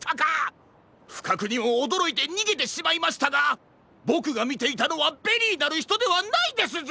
ふかくにもおどろいてにげてしまいましたがボクがみていたのはベリーなるひとではないですぞ！